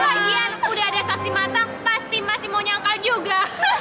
sebagian udah ada saksi mata pasti masih mau nyangka juga